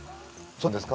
そうですか？